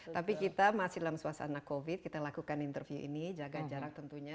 tapi kita masih dalam suasana covid kita lakukan interview ini jaga jarak tentunya